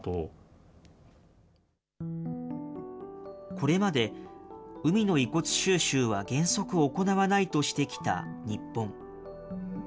これまで、海の遺骨収集は原則行わないとしてきた日本。